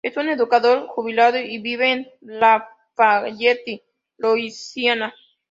Es un educador jubilado, y vive en Lafayette, Louisiana.